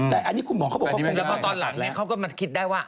แต่อันนี้คุณหมอเขาบอกว่าคงจะพอตอนหลังเขาก็มาคิดได้ว่า